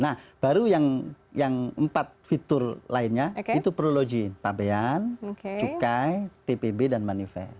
nah baru yang empat fitur lainnya itu perlu login pabean cukai tpb dan manifest